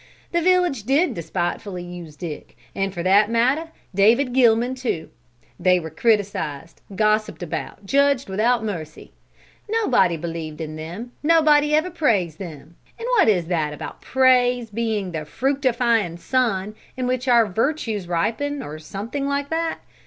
The village did despitefully use Dick, and for that matter, David Gilman too. They were criticized, gossiped about, judged without mercy. Nobody believed in them, nobody ever praised them; and what is that about praise being the fructifying sun in which our virtues ripen, or something like that?